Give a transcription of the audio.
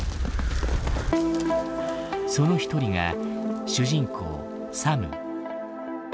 その一人が主人公サム。